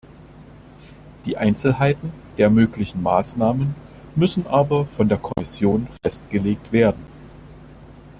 Die Einzelheiten der möglichen Maßnahmen müssen aber von der Kommission festgelegt werden.